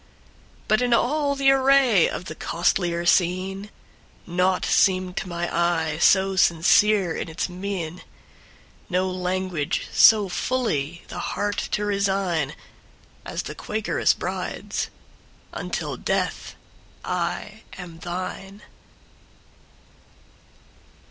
But in all the array of the costlier scene, Naught seemed to my eye so sincere in its mien, No language so fully the heart to resign, As the Quakeress bride's—"Until death I am thine!"